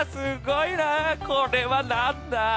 これはなんだ？